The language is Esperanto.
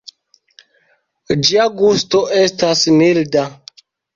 Ĝia gusto estas milda.